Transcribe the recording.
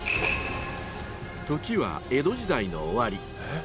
［時は江戸時代の終わり］